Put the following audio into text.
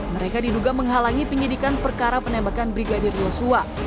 mereka diduga menghalangi penyidikan perkara penembakan brigadir yoso hota